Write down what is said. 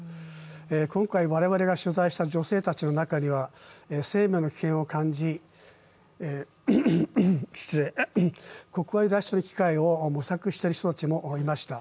今回我々が取材した女性たちの中には生命の危険を感じ、国外脱出する機会を模索している人たちもいました。